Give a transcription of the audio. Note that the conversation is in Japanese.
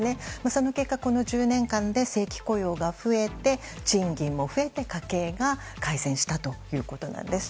その結果、この１０年間で正規雇用が増えて賃金も増えて家計が改善したということなんです。